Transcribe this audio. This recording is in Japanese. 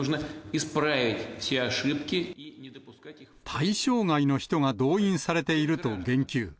対象外の人が動員されていると言及。